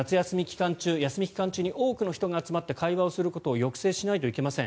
休み期間中に多くの人が集まって会話することを抑制しないといけません。